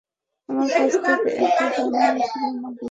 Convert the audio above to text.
আমার কাছ থেকে টাকা ধার নিয়েছিলি, মাগী!